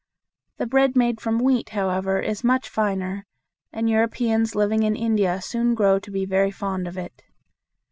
The bread made from wheat, however, is much finer, and Europeans living in India soon grow to be very fond of it.